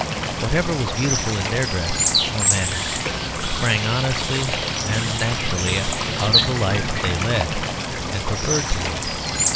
Whatever was beautiful in their dress or manners sprang honestly and naturally out of the life they led and preferred to lead.